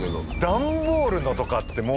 段ボールのとかってもう。